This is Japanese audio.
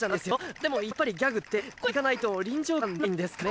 でもやっぱりギャグって声で聞かないと臨場感出ないんですかね。